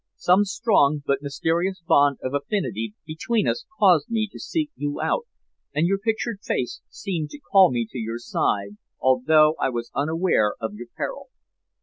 Some strong but mysterious bond of affinity between us caused me to seek you out, and your pictured face seemed to call me to your side although I was unaware of your peril.